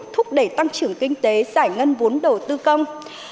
thúc đẩy tăng trưởng kinh tế giải ngân vốn đầu tư công